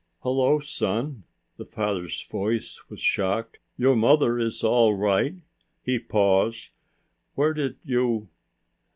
"Hello, son." His father's voice was shocked. "Your mother is all right." He paused. "Where did you....